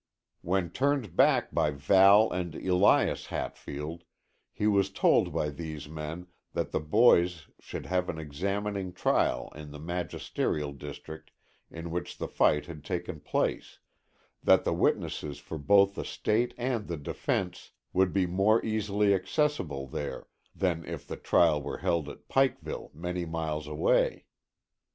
When turned back by Val and Elias Hatfield, he was told by these men that the boys should have an examining trial in the magisterial district in which the fight had taken place, that the witnesses for both the State and the defence would be more easily accessible there than if the trial were had at Pikeville many miles away.